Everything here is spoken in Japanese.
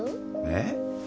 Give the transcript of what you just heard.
えっ？